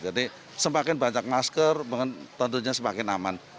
jadi semakin banyak masker tentunya semakin aman